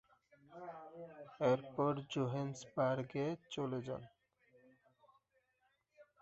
এরপর, জোহেন্সবার্গে চলে যান।